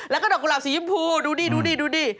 แล้วก็ดอกกุหลาบสียิ้มพูดูดิ